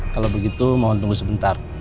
kalau begitu mohon tunggu sebentar